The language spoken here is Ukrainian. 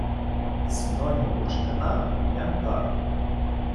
Синонім бурштина – янтар